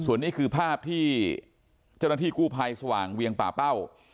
ส่วนนี้คือภาพที่เจ้าหน้าที่กู้ภัยสว่างเวียงป่าเป้า